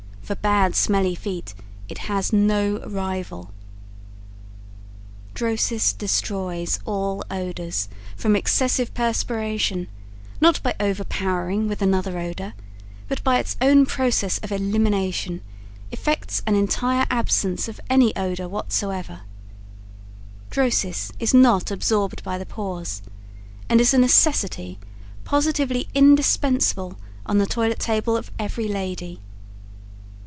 For bad smelly feet it has no rival. DROSIS DESTROYS ALL ODORS from excessive perspiration, not by overpowering with another odor, but by its own process of elimination, effects an entire absence of any odor whatsoever, DROSIS IS NOT ABSORBED BY THE PORES and is a necessity, positively indispensable on the toilet table of every lady.